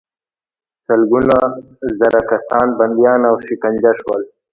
سلګونه زره کسان بندیان او شکنجه شول.